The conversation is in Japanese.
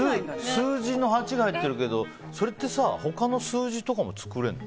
数字の８が入ってるけど他の数字とかも作れるの？